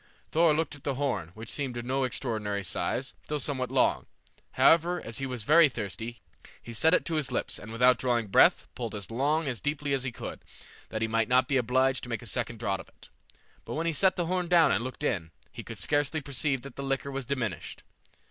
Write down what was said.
Thor looked at the horn, which seemed of no extraordinary size though somewhat long; however, as he was very thirsty, he set it to his lips, and without drawing breath, pulled as long and as deeply as he could, that he might not be obliged to make a second draught of it; but when he set the horn down and looked in, he could scarcely perceive that the liquor was diminished.